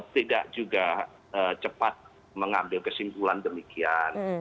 tidak juga cepat mengambil kesimpulan demikian